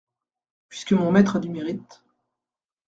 Puisque mon maître a du mérite.